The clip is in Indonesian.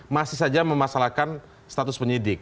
masih saja memasalahkan status penyidik